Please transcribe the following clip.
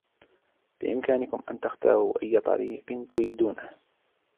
بإمكانكم أن تختاروا أيّ طريق تريدونه.